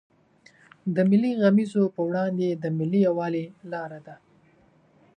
د ملي غمیزو پر وړاندې د ملي یوالي لار ده.